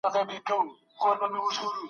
له ډېر غمه یې څښتن سو فریشانه